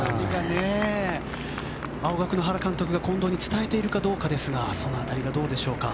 青学の原監督が近藤に伝えているかどうかですがその辺りがどうでしょうか。